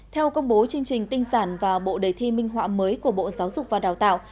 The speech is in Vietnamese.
theo công bố chương trình tinh sản và bộ đề thi minh họa mới của bộ giáo dục và đào tạo